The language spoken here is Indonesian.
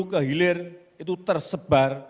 ke hilir itu tersebar